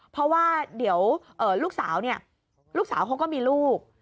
เพราะว่าเดี๋ยวลูกสาวเนี่ยลูกสาวเขาก็มีลูก